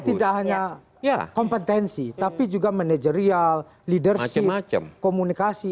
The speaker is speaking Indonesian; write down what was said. tidak hanya kompetensi tapi juga manajerial leadership komunikasi